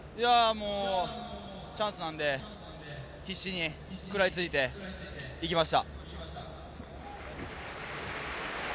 チャンスなんで必死に食らいついていきました。